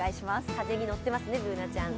風に乗ってますねＢｏｏｎａちゃん。